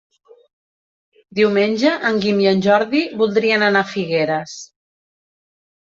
Diumenge en Guim i en Jordi voldrien anar a Figueres.